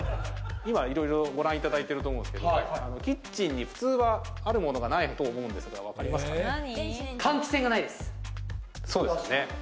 今いろいろご覧にいただいてると思うんですけど、キッチンに普通はあるものがないと思うんですが、わかりますかね？